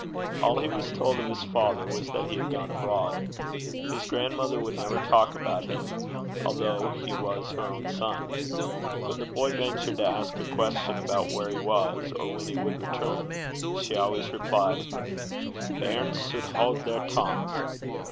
All he was told of his father was that he had gone abroad. His grandmother would never talk about him, although he was her own son. When the boy ventured to ask a question about where he was, or when he would return, she always replied 'Bairns suld haud their tongues.'